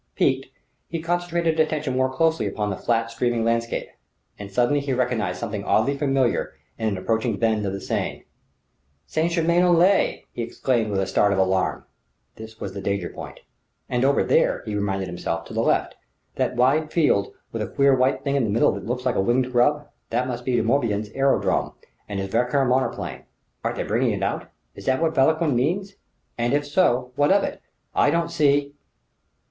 Piqued, he concentrated attention more closely upon the flat, streaming landscape. And suddenly he recognized something oddly familiar in an approaching bend of the Seine. "St. Germain en Laye!" he exclaimed with a start of alarm. This was the danger point.... "And over there," he reminded himself "to the left that wide field with a queer white thing in the middle that looks like a winged grub that must be De Morbihan's aerodrome and his Valkyr monoplane! Are they bringing it out? Is that what Vauquelin means? And if so what of it? I don't see